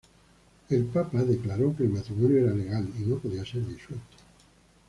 El papa declaró que el matrimonio era legal y no podía ser disuelto.